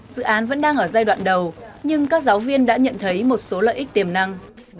dự án vẫn đang ở giai đoạn đầu nhưng các giáo viên đã nhận thấy một số lợi ích tiềm năng